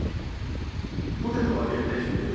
ポテトを揚げる手順言える？